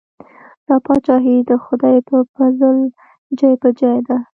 دا پاچاهي د خدای په پزل جای په جای ده.